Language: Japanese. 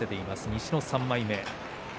西の３枚目。